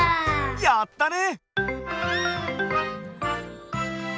やったね！